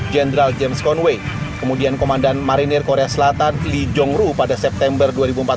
jenderal james conway kemudian komandan marinir korea selatan lee jong ru pada september dua ribu empat belas